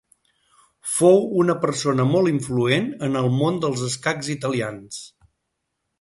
Fou una persona molt influent en el món dels escacs italians.